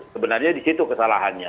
sebenarnya di situ kesalahannya